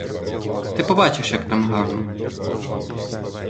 Ти побачиш, як там гарно!